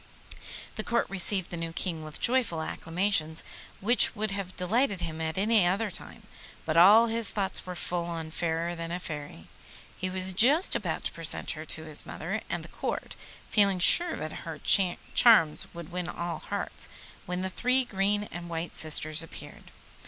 The Court received the new King with joyful acclamations which would have delighted him at any other time, but all his thoughts were full of Fairer than a Fairy. He was just about to present her to his mother and the Court, feeling sure that her charms would win all hearts, when the three green and white sisters appeared.